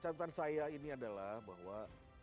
catatan saya ini adalah bahwa